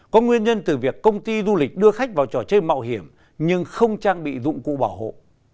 có nguyên nhân từ việc công ty du lịch đưa khách vào trò chơi mạo hiểm nhưng không trang bị dụng cụ bảo hộ